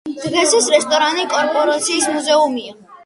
დღეს ეს რესტორანი კორპორაციის მუზეუმია.